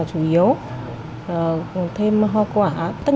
chị phương thị lệ hằng sống tại hà nội